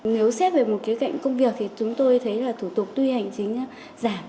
nếu xếp về một cái cạnh công việc thì chúng tôi thấy là thủ tục tuy hành chính giảm